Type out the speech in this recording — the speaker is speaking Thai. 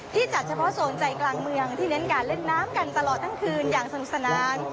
จัดเฉพาะโซนใจกลางเมืองที่เน้นการเล่นน้ำกันตลอดทั้งคืนอย่างสนุกสนาน